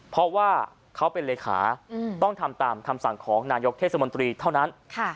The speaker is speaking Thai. เพราะว่าเขาเป็นเลขาต้องทำตามคำสั่งของนายกเทศมนตรีเท่านั้น